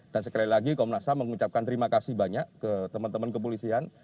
dan sekali lagi komnas ham mengucapkan terima kasih banyak ke teman teman kepolisian